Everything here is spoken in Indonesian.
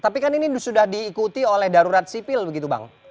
tapi kan ini sudah diikuti oleh darurat sipil begitu bang